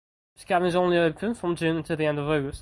This cabin is only open from June until the end of August.